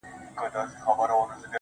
تا راته نه ويل د کار راته خبري کوه .